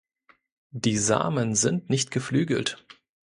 Die Samen sind nicht geflügelt.